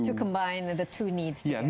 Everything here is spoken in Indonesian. untuk menggabungkan kedua kebutuhan